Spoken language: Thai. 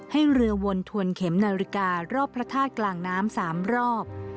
เรือวนถวนเข็มนาฬิการอบพระธาตุกลางน้ำ๓รอบ